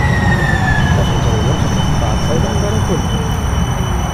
Das Unternehmen verkauft Fahrzeuge an seine Kunden.